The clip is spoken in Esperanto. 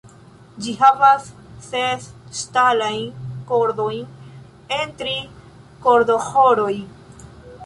Ĝi havas ses ŝtalajn kordojn en tri kordoĥoroj.